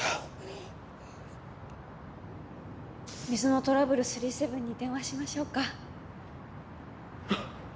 水のトラブル７７７に電話しましょうか。